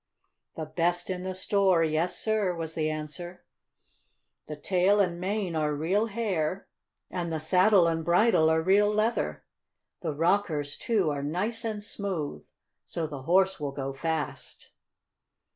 "The best in the store; yes, sir," was the answer. "The tail and mane are real hair, and the saddle and bridle are real leather. The rockers, too, are nice and smooth, so the Horse will go fast."